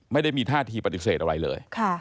ไม่ได้มีท่าทีปฏิเสธอะไรเลย